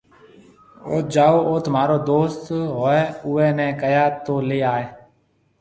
اوٿ جاو اوٿ مهآرو دوست هوئي اُوئي نَي ڪهيا تو ليَ آئي۔